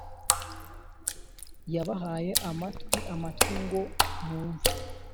Yabahaye amatwi amatwi ngo mwumve